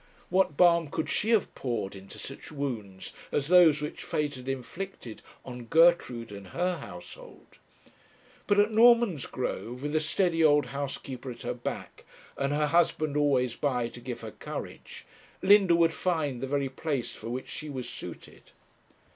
What balm could she have poured into such wounds as those which fate had inflicted on Gertrude and her household? But at Normansgrove, with a steady old housekeeper at her back, and her husband always by to give her courage, Linda would find the very place for which she was suited.